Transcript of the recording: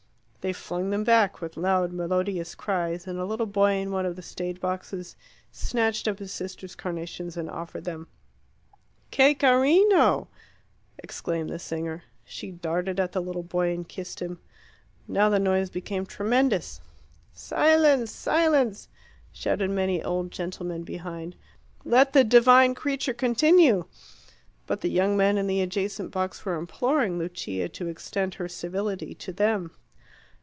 They flung them back, with loud melodious cries, and a little boy in one of the stageboxes snatched up his sister's carnations and offered them. "Che carino!" exclaimed the singer. She darted at the little boy and kissed him. Now the noise became tremendous. "Silence! silence!" shouted many old gentlemen behind. "Let the divine creature continue!" But the young men in the adjacent box were imploring Lucia to extend her civility to them.